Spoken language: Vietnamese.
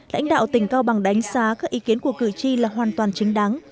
lãnh đạo tỉnh cao bằng đánh xá các ý kiến của cử tri là hoàn toàn chứng đáng